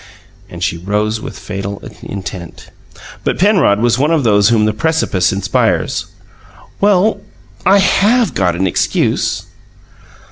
And she rose with fatal intent. But Penrod was one of those whom the precipice inspires. "Well, I HAVE got an excuse."